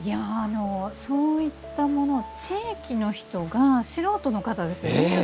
そういったものを地域の人が、素人の方ですよね。